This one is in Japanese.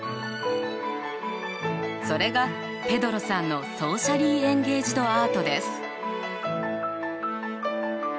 それがペドロさんのソーシャリー・エンゲイジド・アートです。